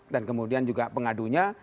dan kemudian juga pengadunya